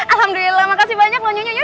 alhamdulillah makasih banyak loh nyonya ya